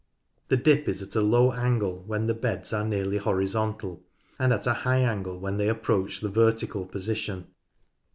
The dip is at a low angle when the beds are nearly horizontal, and at a high angle when they approach the vertical position.